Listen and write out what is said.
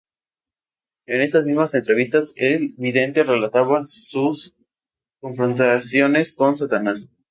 En estas mismas entrevistas el vidente relataba sus confrontaciones con Satanás.